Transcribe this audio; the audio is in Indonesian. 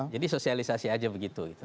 jadi sosialisasi aja begitu